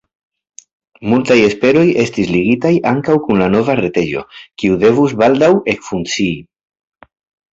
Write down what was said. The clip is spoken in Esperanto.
Multaj esperoj estis ligitaj ankaŭ kun la nova retejo, kiu devus “baldaŭ” ekfunkcii.